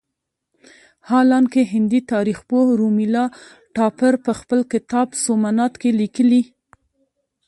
حالانکه هندي تاریخ پوه رومیلا تاپړ په خپل کتاب سومنات کې لیکلي.